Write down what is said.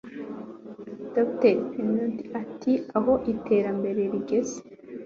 Dr Pineda ati Aho iterambere rigeze